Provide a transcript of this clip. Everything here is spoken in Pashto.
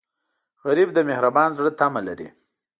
غریب د مهربان زړه تمه لري